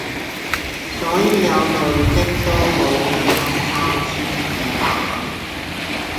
所以有累積多寶獎金三千二百萬